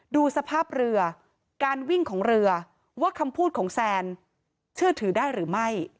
ดูสภาพเรือการวิ่งของเรือว่าคำพูดของแซนเชื่อถือได้หรือไม่